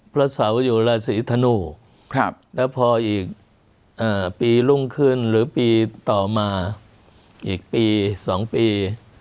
พระเสาอยู่ราศีธนูแล้วพออีกปีรุ่งขึ้นหรือปีต่อมาอีกปี๒ปี